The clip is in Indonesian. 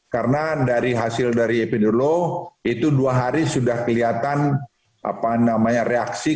karena dari hasil dari epidural itu dua hari sudah kelihatan reaktif